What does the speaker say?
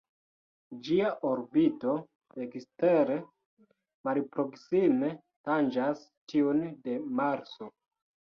Ĝia orbito ekstere malproksime tanĝas tiun de Marso.